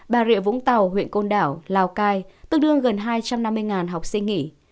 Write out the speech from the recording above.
bà rịa vũng tàu huyện côn đảo lào cai tương đương gần hai trăm năm mươi học sinh nghỉ